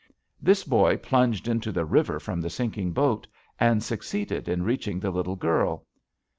This boy plunged into the river from the sinking boat and succeeded in reaching the little girl.